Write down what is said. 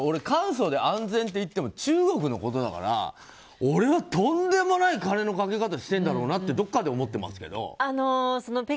簡素で安全っていっても中国のことだから俺はとんでもない金のかけ方しているんだろうなとどこかで思っていますけど。